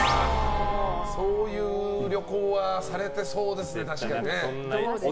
そういう旅行はされてそうですね、確かに。